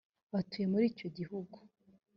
batuye muri icyo gihugu